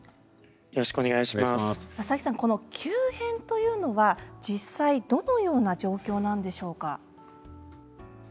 急変というのは、実際どのような状況なんでしょうか。